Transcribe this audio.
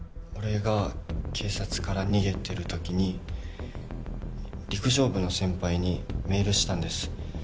俺が警察から逃げてる時に陸上部の先輩にメールしたんです